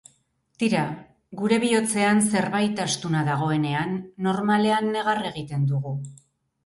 Tira, gure bihotzean zerbait astuna dagoenean, normalean negar egiten dugu.